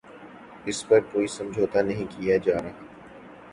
اس پر کوئی سمجھوتہ نہیں کیا جارہا